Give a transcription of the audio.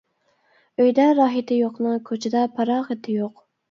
ئۆيدە راھىتى يوقنىڭ، كوچىدا پاراغىتى يوق.